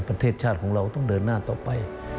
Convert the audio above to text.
ประเทศชาติของเราต้องเดินหน้าต่อไป